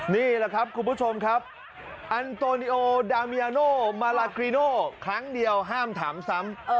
นี่แหละครับคุณผู้ชมครับอันโตนิโอดาเมียโน่มาลาครีโน่ครั้งเดียวห้ามถามซ้ำ